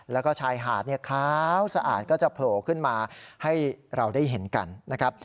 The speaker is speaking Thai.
แล้วก็ชายหาดเนี่ยขาวสะอาดก็จะโผล่ขึ้นมาให้เราได้เห็นกันนะครับ